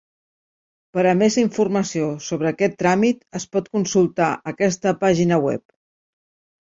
Per a més informació sobre aquest tràmit es pot consultar aquesta pàgina web.